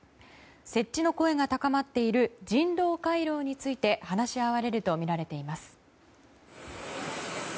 設置の声が高まっている人道回廊について話し合われるとみられています。